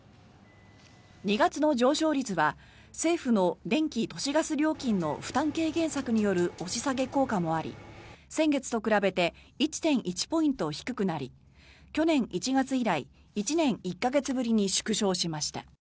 ２月の上昇率は政府の電気・都市ガス料金の負担軽減策による押し下げ効果もあり先月と比べて１．１ポイント低くなり去年１月以来１年１か月ぶりに縮小しました。